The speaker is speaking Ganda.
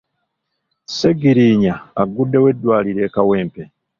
Segirinnya aggudewo eddwaliro e Kawempe.